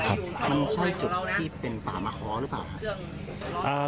มันใช่จุดที่เป็นป่ามะค้อหรือเปล่าครับ